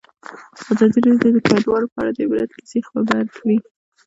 ازادي راډیو د کډوال په اړه د عبرت کیسې خبر کړي.